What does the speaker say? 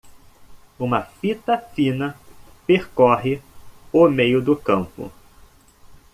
Uma fita fina percorre o meio do campo.